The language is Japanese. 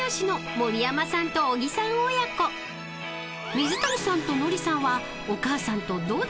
［水谷さんとノリさんは］